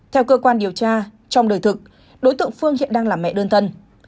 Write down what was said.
theo cơ quan điều tra trong đời thực đối tượng phương hiện đang là mẹ đơn thân